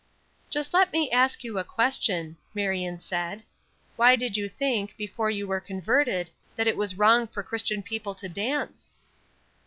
"Just let me ask you a question," Marion said: "Why did you think, before you were converted, that it was wrong for Christian people to dance?"